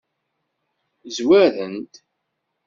Zwaren-t?